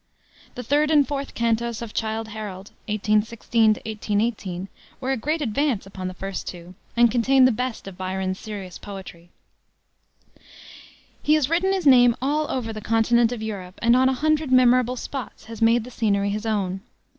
The third and fourth cantos of Childe Harold, 1816 1818, were a great advance upon the first two, and contain the best of Byron's serious poetry. He has written his name all over the continent of Europe, and on a hundred memorable spots has made the scenery his own.